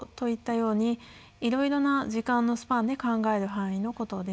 ようにいろいろな時間のスパンで考える範囲のことです。